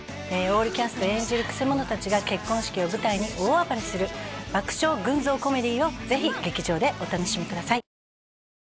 オールキャスト演じるクセ者達が結婚式を舞台に大暴れする爆笑群像コメディーをぜひ劇場でお楽しみください